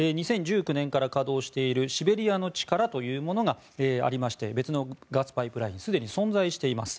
２０１９年から稼働しているシベリアの力というものがありまして別のガスパイプラインがすでに存在しています。